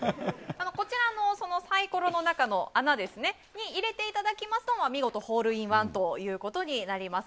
こちらのサイコロの中の穴に入れていただきますと見事ホールインワンとなります。